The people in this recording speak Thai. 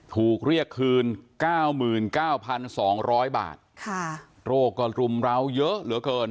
ถูกเรียกคืน๙๙๒๐๐บาทโรคก็รุมร้าวเยอะเหลือเกิน